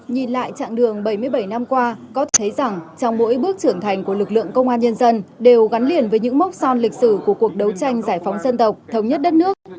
nhìn lại trạng đường bảy mươi bảy năm qua có thấy rằng trong mỗi bước trưởng thành của lực lượng công an nhân dân đều gắn liền với những mốc son lịch sử của cuộc đấu tranh giải phóng dân tộc thống nhất đất nước